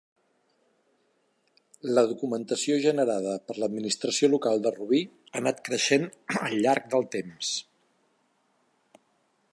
La documentació generada per l'Administració local de Rubí, ha anat creixent al llarg del temps.